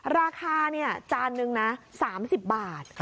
ราคาจานนึงนะ๓๐บาท